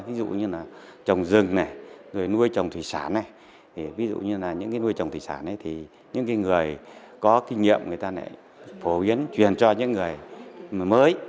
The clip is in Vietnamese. ví dụ như là trồng rừng nuôi trồng thủy sản ví dụ như là những người nuôi trồng thủy sản những người có kinh nghiệm người ta lại phổ biến truyền cho những người mới